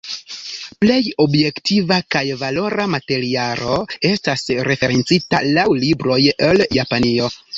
Plej objektiva kaj valora materialo estas referencita laŭ libroj el Japanio.